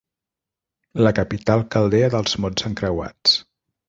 La capital caldea dels mots encreuats.